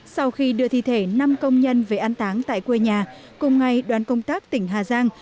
sau khi đưa thi thể năm công nhân về an táng tại quê nhà cùng ngày đoàn công tác tỉnh hà giang